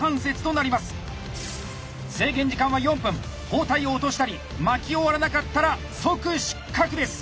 包帯を落としたり巻き終わらなかったら即失格です。